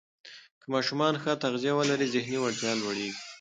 که ماشومان ښه تغذیه ولري، ذهني وړتیا لوړېږي.